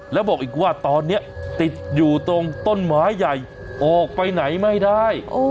แล้วบอกอีกว่าตอนนี้ติดอยู่ตรงต้นไม้ใหญ่ออกไปไหนไม่ได้